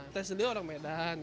tes dulu orang medan